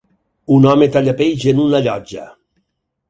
Un home talla peix en una llotja.